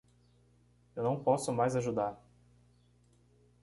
Eu não posso mais ajudar.